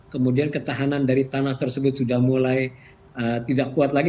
kemudian ketahanan dari tanah tersebut sudah mulai tidak kuat lagi